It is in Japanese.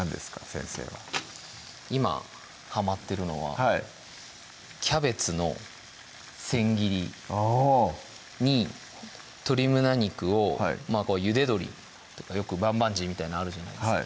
先生は今はまってるのははいキャベツの千切りに鶏胸肉をまぁゆで鶏よくバンバンジーみたいなあるじゃないですか